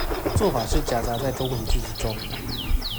做法是夾雜在中文句子中